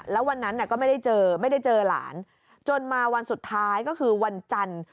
แล้ววันนั้นก็ไม่ได้เจอไม่ได้เจอหลานจนมาวันสุดท้ายก็คือวันจันทร์